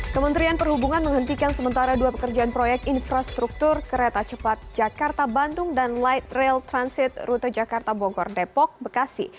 kementerian perhubungan menghentikan sementara dua pekerjaan proyek infrastruktur kereta cepat jakarta bandung dan light rail transit rute jakarta bogor depok bekasi